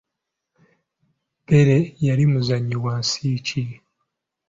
Pere yali muzannyi wa nsi ki ?